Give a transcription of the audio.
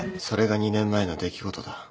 それが２年前の出来事だ。